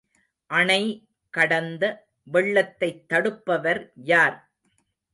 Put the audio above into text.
அணை கடந்த வெள்ளத்தைத் தடுப்பவர் யார்?